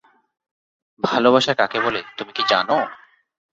ভালোবাসা কাকে বলে তুমি কি জান?